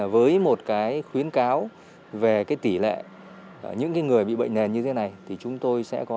với một cái khuyến cáo về cái tỷ lệ những người bị bệnh nền như thế này thì chúng tôi sẽ có